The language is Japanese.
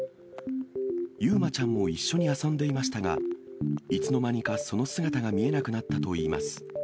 結真ちゃんも一緒に遊んでいましたが、いつの間にかその姿が見えなくなったといいます。